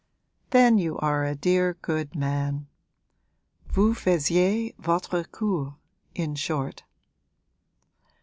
'Then you are a dear good man. Vous faisiez votre cour, in short.'